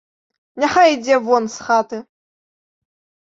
Няхай ідзе вон з хаты!